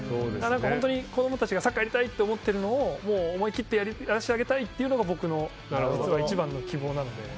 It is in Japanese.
子供たちがサッカーやりたいって思ってるのを思い切ってやらせてあげたいというのが僕の一番の希望なので。